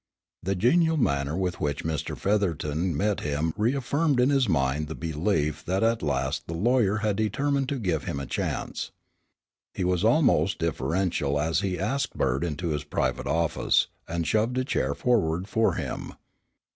The genial manner with which Mr. Featherton met him reaffirmed in his mind the belief that at last the lawyer had determined to give him a chance. He was almost deferential as he asked Bert into his private office, and shoved a chair forward for him.